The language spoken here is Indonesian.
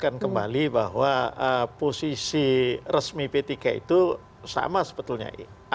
saya akan kembali bahwa posisi resmi p tiga itu sama sebetulnya